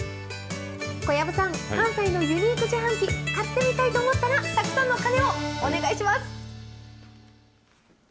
小籔さん、関西のユニーク自販機、買ってみたいと思ったら、たくさんの鐘をお願いします。